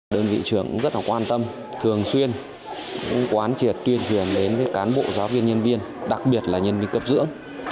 đơn vị trường cũng rất là quan tâm thường xuyên quán triệt tuyên truyền đến cán bộ giáo viên nhân viên đặc biệt là nhân viên cấp dưỡng